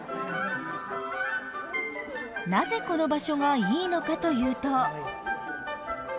なぜこの場所がいいのかというと。